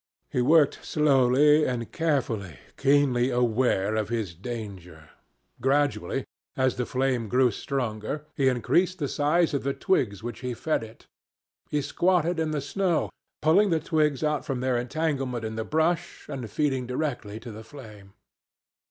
He worked slowly and carefully, keenly aware of his danger. Gradually, as the flame grew stronger, he increased the size of the twigs with which he fed it. He squatted in the snow, pulling the twigs out from their entanglement in the brush and feeding directly to the flame.